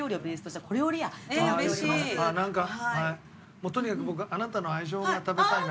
もうとにかく僕はあなたの愛情が食べたいな。